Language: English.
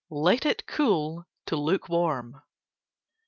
_Let cool to lukewarm.